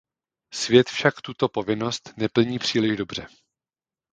Svět však tuto povinnost neplní příliš dobře.